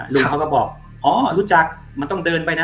ลุงเขาก็บอกอ๋อรู้จักมันต้องเดินไปนะ